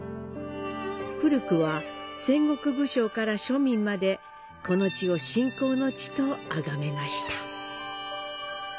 古くは戦国武将から庶民までこの地を信仰の地と崇めました。